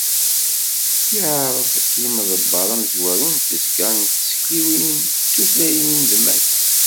Yeɛreḍ yimḍebber amezwaru n tesga n tsekliwin d tutlayin Mass